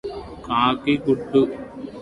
కాకి గూడు